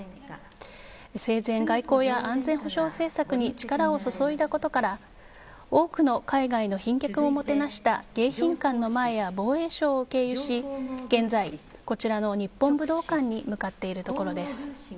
生前、外交や安全保障政策に力を注いだことから多くの海外の賓客をもてなした迎賓館の前や防衛省を経由し現在、こちらの日本武道館に向かっているところです。